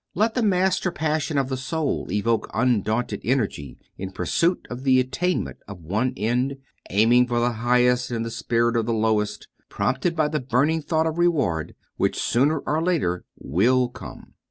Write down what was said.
Let the master passion of the soul evoke undaunted energy in pursuit of the attainment of one end, aiming for the highest in the spirit of the lowest, prompted by the burning thought of reward, which sooner or later will come."